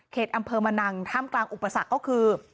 อำเภอมะนังท่ามกลางอุปสรรคก็คือ